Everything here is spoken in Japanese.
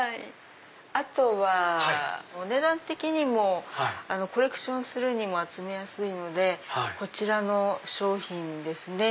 あとはお値段的にもコレクションするにも集めやすいのでこちらの商品ですね。